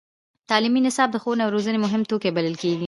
تعلیمي نصاب د ښوونې او روزنې مهم توکی بلل کېږي.